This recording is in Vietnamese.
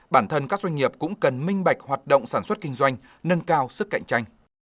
bản thân các doanh nghiệp cũng cần minh bạch hoạt động sản xuất kinh doanh nâng cao sức cạnh tranh